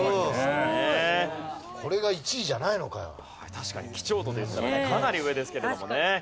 確かに貴重度で言ったらかなり上ですけれどもね。